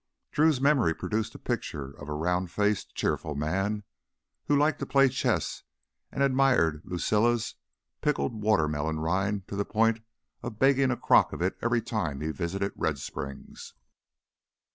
Drew's memory produced a picture of a round faced, cheerful man who liked to play chess and admired Lucilla's pickled watermelon rind to the point of begging a crock of it every time he visited Red Springs.